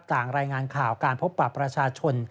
รายงานข่าวการพบปรับประชาชน